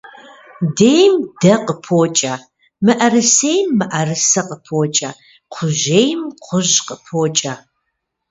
Дейм дэ къыпокӏэ, мыӏэрысейм мыӏэрысэ къыпокӏэ, кхъужьейм кхъужь къыпокӏэ.